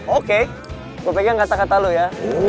oke gue pegang kata kata lo ya